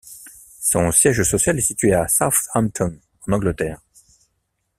Son siège social est situé à Southampton, en Angleterre.